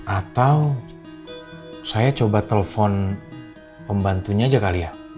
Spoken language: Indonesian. atau saya coba telepon pembantunya aja kali ya